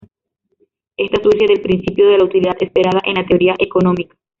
Esta surge del principio de la utilidad esperada en la teoría económica.